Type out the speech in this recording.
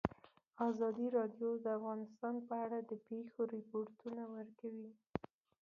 ازادي راډیو د اقتصاد په اړه د پېښو رپوټونه ورکړي.